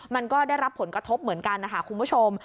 มันก็ได้รับผลกระทบเหมือนกันนะคะคุณผู้ชม